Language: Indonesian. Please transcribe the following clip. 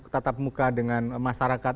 tatap muka dengan masyarakat